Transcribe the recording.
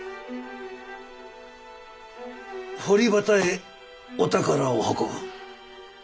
堀端へお宝を運ぶ。